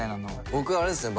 僕はあれですね。